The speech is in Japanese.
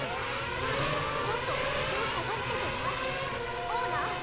うんちょっとひとをさがしててなオーナー